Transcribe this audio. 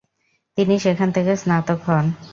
তিনি সেখান থেকে স্নাতক হন।